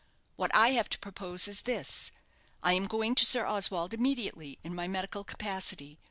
What I have to propose is this: I am going to Sir Oswald immediately in my medical capacity.